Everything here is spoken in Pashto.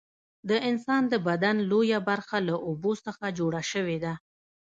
د انسان د بدن لویه برخه له اوبو څخه جوړه شوې ده